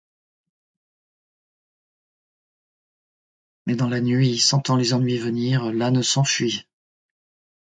Mais dans la nuit, sentant les ennuis venir, l'âne s'enfuit.